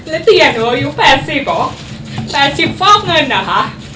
แล้วเตี๋ยหนูอายุ๘๐เหรอ๘๐ฟอกเงินเหรอคะ